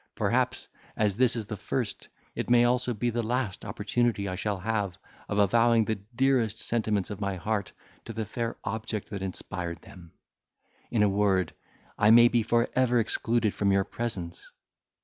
Perhaps, as this is the first, it may be also the last opportunity I shall have of avowing the dearest sentiments of my heart to the fair object that inspired them; in a word, I may be for ever excluded from your presence.